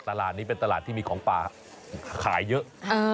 ตลาดนี้เป็นตลาดที่มีของป่าขายเยอะ